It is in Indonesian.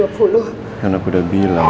kan aku udah bilang ya